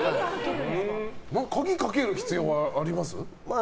鍵かける必要はあります？